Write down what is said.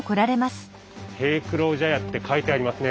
「平九郎茶屋」って書いてありますね。